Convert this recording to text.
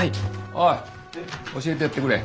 おい教えてやってくれ。